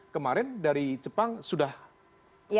kemarin dari jepang sudah angkat tangan